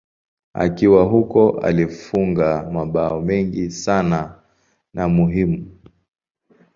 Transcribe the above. Akiwa huko alifunga mabao mengi sana na muhimu.